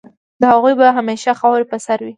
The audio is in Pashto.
د هغوی به همېشه خاوري په سر وي